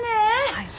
はい。